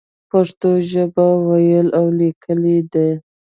پښتو ژبه ويل او ليکل دې.